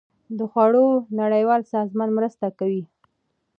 د خوړو نړیوال سازمان مرسته کوي.